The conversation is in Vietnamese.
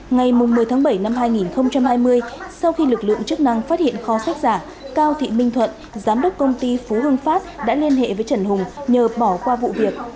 ngày một mươi tháng bảy năm hai nghìn hai mươi sau khi lực lượng chức năng phát hiện kho sách giả cao thị minh thuận giám đốc công ty phú hương phát đã liên hệ với trần hùng nhờ bỏ qua vụ việc